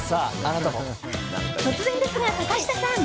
突然ですが坂下さん